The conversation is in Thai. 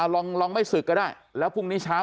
ลองไม่ศึกก็ได้แล้วพรุ่งนี้เช้า